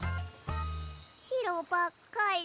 しろばっかり。